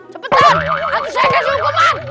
cepetan nanti saya kasih hukuman